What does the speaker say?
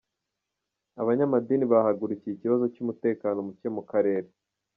Abanyamadini bahagurukiye ikibazo cy’umutekano muke mu Karere